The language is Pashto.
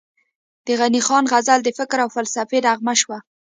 د غني خان غزل د فکر او فلسفې نغمه شوه،